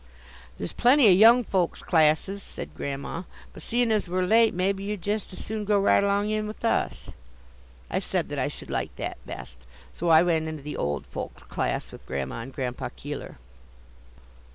"There's plenty of young folks' classes," said Grandma; "but seein' as we're late maybe you'd jest as soon go right along in with us." I said that I should like that best, so I went into the "old folks'" class with Grandma and Grandpa Keeler.